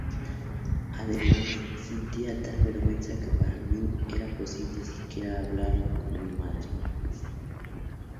Además, sentía tal vergüenza que para mí era imposible siquiera hablarlo con mi madre.